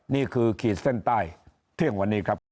ขีดเส้นใต้เที่ยงวันนี้ครับ